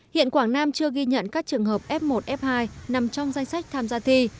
hiện quảng nam chưa ghi nhận các trường hợp f một f hai nằm trong danh sách tham gia thi